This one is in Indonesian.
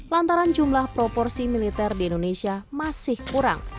lantaran jumlah proporsi militer di indonesia masih kurang